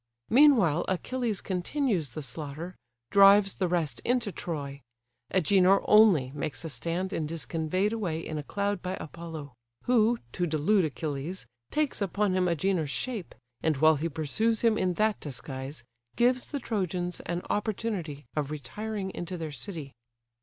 Meanwhile Achilles continues the slaughter, drives the rest into Troy: Agenor only makes a stand, and is conveyed away in a cloud by Apollo; who (to delude Achilles) takes upon him Agenor's shape, and while he pursues him in that disguise, gives the Trojans an opportunity of retiring into their city.